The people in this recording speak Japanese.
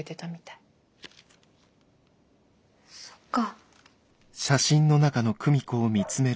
そっか。